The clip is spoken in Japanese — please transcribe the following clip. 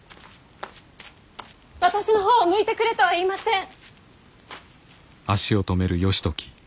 私の方を向いてくれとは言いません。